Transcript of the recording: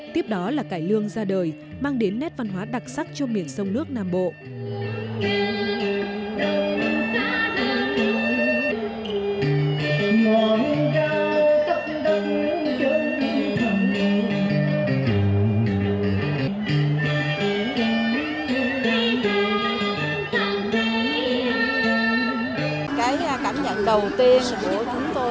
tiếp đó là cải lương ra đời mang đến nét văn hóa đặc sắc cho miền sông nước nam bộ